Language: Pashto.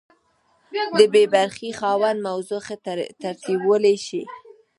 د بي برخې خاوند موضوع ښه ترتیبولی شي.